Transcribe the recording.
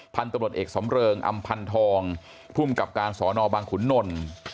พันธุ์ตำรวจเอกสำเริงอำพันธองภูมิกับการสอนอบางขุนนล